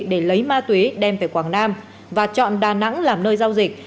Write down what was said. để lấy ma túy đem về quảng nam và chọn đà nẵng làm nơi giao dịch